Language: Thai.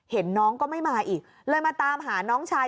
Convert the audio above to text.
เห็นน้องก็ไม่มาอีกเลยมาตามหาน้องชาย